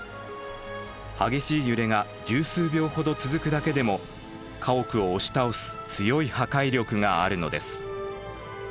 激しい揺れが十数秒ほど続くだけでも家屋を押し倒す強い破壊力があるのです。